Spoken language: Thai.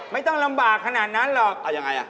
ไม่ต้องลำบากขนาดนั้นหรอกเอายังไงอ่ะ